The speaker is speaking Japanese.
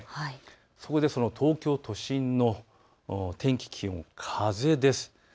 そこで東京都心の天気、気温、風です。